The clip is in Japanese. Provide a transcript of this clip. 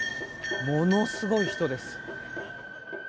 ものすごい人です。